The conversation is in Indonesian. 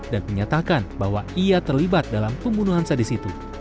dan menyatakan bahwa ia terlibat dalam pembunuhan sadis itu